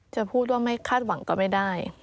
จะพูดว่าไม่คาดหวังก็ไม่ได้